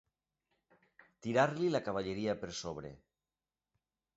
Tirar-li la cavalleria per sobre.